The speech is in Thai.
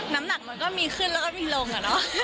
น้ำหนักมันก็มีขึ้นแล้วก็มีลงอะเนาะ